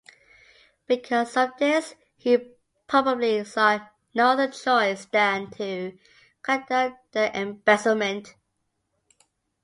Because of this, he probably saw no other choice than to condone the embezzlement.